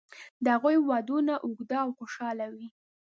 د هغوی ودونه اوږده او خوشاله وي.